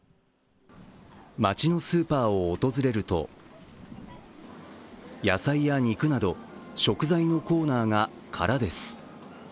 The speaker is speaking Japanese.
街のスーパーを訪れると野菜や肉など、食材のコーナーが空です。